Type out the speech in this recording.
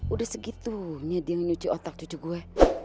udah segitunya dia nyuci otak cucu gue